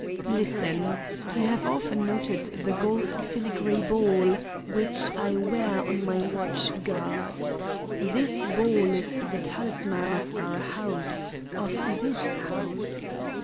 Listen. You have often noted the gold filigree ball which I wear on my watch guard. This ball is the talisman of our house, of this house.